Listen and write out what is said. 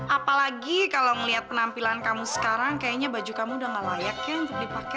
apalagi kalau ngeliat penampilan kamu sekarang kayaknya baju kamu udah gak layak ya untuk dipakai